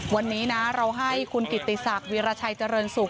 วันนี้นะเราให้คุณกิติศักดิราชัยเจริญสุข